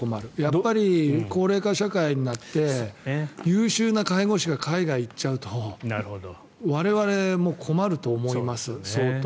やっぱり高齢化社会になって優秀な介護士が海外に行っちゃうと我々も困ると思います、相当。